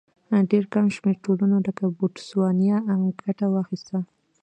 ډېر کم شمېر ټولنو لکه بوتسوانیا ګټه واخیسته.